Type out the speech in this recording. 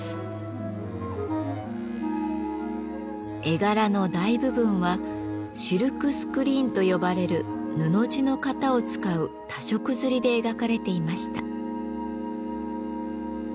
絵柄の大部分はシルクスクリーンと呼ばれる布地の型を使う多色刷りで描かれていました。